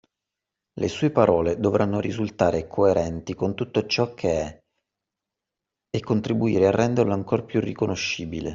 Le sue parole dovranno risultare coerenti con tutto ciò che è e contribuire a renderlo ancor più riconoscibile.